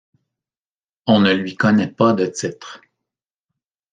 On ne lui connaît pas de titre.